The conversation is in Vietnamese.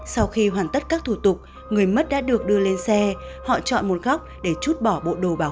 sau khi hoàn tất các thủ tục người mất đã được đưa lên xe họ chọn một góc để chút bỏ bộ đồ bảo vệ